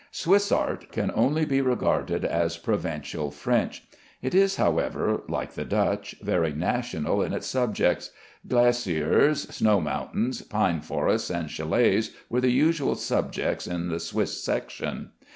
Swiss art can only be regarded as provincial French. It is, however (like the Dutch), very national in its subjects. Glaciers, snow mountains, pine forests, and châlets were the usual subjects in the Swiss section.